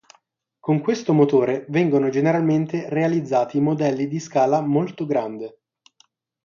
Con questo motore vengono generalmente realizzati modelli di scala molto grande.